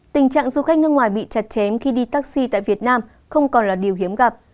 tình trạng du khách nước ngoài bị chặt chém khi đi taxi tại việt nam không còn là điều hiếm gặp